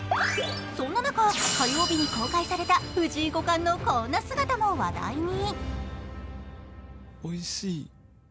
そんな中、火曜日に公開された藤井五冠のこんな姿も話題に。